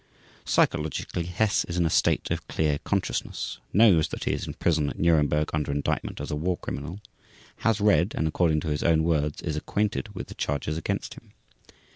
Psychologically, Hess is in a state of clear consciousness; knows that he is in prison at Nuremberg under indictment as a war criminal; has read, and, according to his own words, is acquainted with the charges against him.